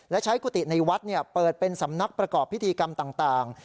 และใช้กุฏิในวัดเนี่ยเปิดเป็นสำนักประกอบพฤติกรรมต่างต่าง